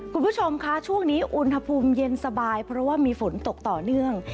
คุณผู้ชมคะช่วงนี้อุณหภูมิเย็นสบายเพราะว่ามีฝนตกต่อเนื่อง